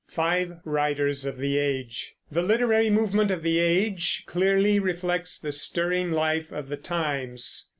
FIVE WRITERS OF THE AGE. The literary movement of the age clearly reflects the stirring life of the times.